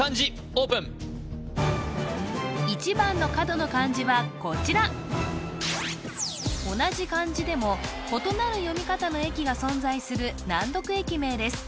オープン１番の角の漢字はこちら同じ漢字でも異なる読み方の駅が存在する難読駅名です